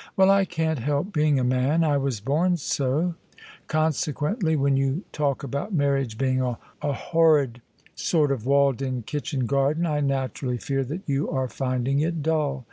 *' Well, I can't help being a man : I was bom so : conse THE SUBJECTION quently, when you talk about marriage being a horrid sort of walled in kitchen garden, I naturally fear that you are finding It dull."